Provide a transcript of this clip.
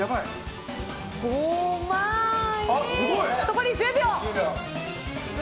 残り１０秒。